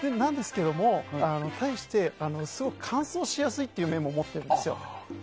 対してすごく乾燥しやすいという面も持ってるんですよ。